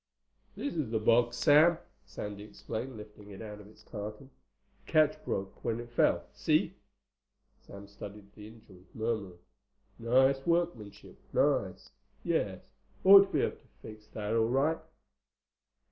"This is the box, Sam," Sandy explained, lifting it out of its carton. "The catch broke when it fell. See?" Sam studied the injury, murmuring, "Nice workmanship. Nice. Yes—ought to be able to fix that all right."